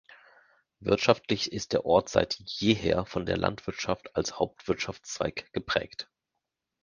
Wirtschaftlich ist der Ort seit jeher von der Landwirtschaft als Hauptwirtschaftszweig geprägt.